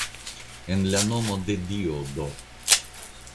En la nomo de Dio do!